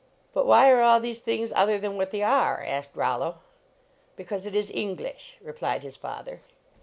" But why are all these things other than what they are? " asked Rollo. " Because it is English," replied his father.